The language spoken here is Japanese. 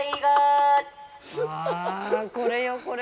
ああ、これよ、これ。